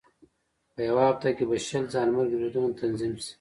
په یوه هفته کې به شل ځانمرګي بریدونه تنظیم شي.